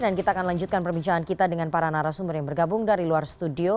dan kita akan lanjutkan perbincangan kita dengan para narasumber yang bergabung dari luar studio